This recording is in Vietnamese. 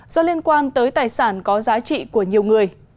do liên quan tới tài sản có giá trị của nhiều người